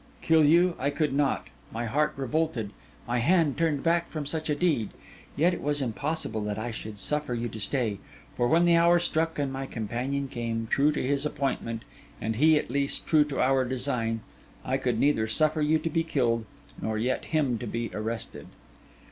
Kill you, I could not; my heart revolted, my hand turned back from such a deed. Yet it was impossible that I should suffer you to stay; for when the hour struck and my companion came, true to his appointment, and he, at least, true to our design, I could neither suffer you to be killed nor yet him to be arrested.